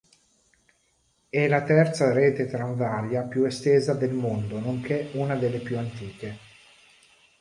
È la terza rete tranviaria più estesa del mondo nonché una delle più antiche.